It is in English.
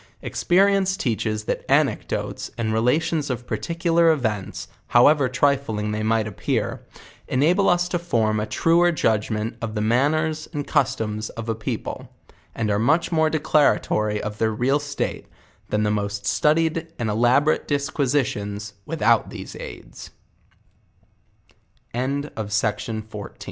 Experience teaches that anecdotes, and relations of particular events, however trifling they might appear, ena ble us to form a truer judgement of tho manners and customs of a people, and are much more declaratory of their real state, than the most studied and elaborate disquisitians wit